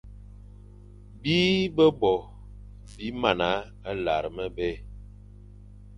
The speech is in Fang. Bîe-be-bo bi mana lar mebé ;